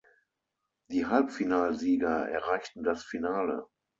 Die Halbfinalsieger erreichten das Finale.